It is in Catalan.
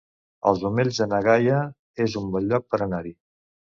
Els Omells de na Gaia es un bon lloc per anar-hi